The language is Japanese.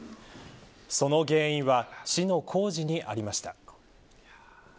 その原因は市の工事にありました。